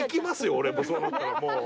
俺そうなったらもう。